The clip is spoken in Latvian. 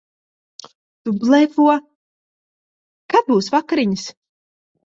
Tu blefo. Kad būs vakariņas?